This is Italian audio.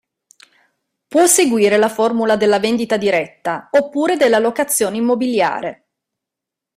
Può seguire la formula della vendita diretta oppure della locazione immobiliare.